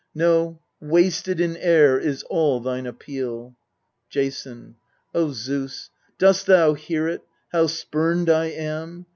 No wasted in air is all thine appeal. Jason. O Zeus, dost thou hear it, how spurned I am